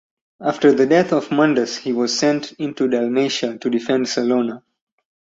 After the death of Mundus he was sent into Dalmatia to defend Salona.